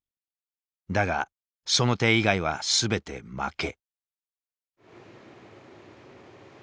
だがその手以外は全て負け。